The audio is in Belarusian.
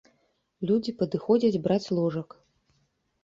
Людзі падыходзяць браць ложак.